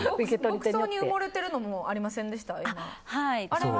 牧草に埋もれてるのもありませんでした？